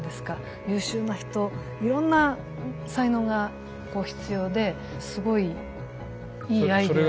優秀な人いろんな才能が必要ですごいいいアイデアですよね。